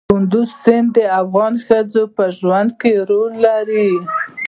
کندز سیند د افغان ښځو په ژوند کې رول لري.